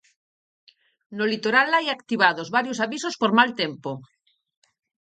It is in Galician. No litoral hai activados varios avisos por mal tempo.